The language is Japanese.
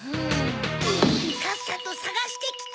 さっさとさがしてきて！